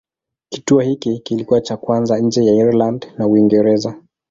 Kituo hiki kilikuwa cha kwanza nje ya Ireland na Uingereza.